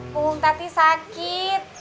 bung tadi sakit